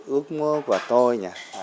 ước mơ của tôi